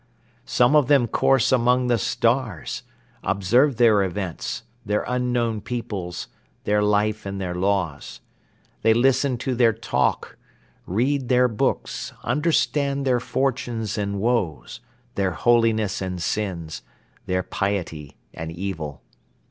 Some of them course among the stars, observe their events, their unknown peoples, their life and their laws. They listen to their talk, read their books, understand their fortunes and woes, their holiness and sins, their piety and evil.